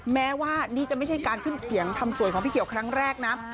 แม้ว่านี่จะไม่ใช่การขึ้นเขียงทำสวยของพี่เขียวครั้งแรกนะ